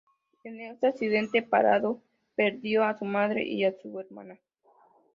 En este accidente, Parrado perdió a su madre y a su hermana.